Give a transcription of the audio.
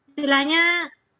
kok mereka ketakutan